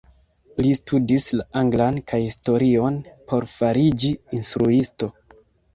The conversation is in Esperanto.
Li studis la anglan kaj historion por fariĝi instruisto.